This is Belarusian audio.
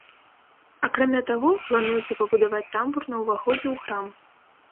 Акрамя таго, плануецца пабудаваць тамбур на ўваходзе ў храм.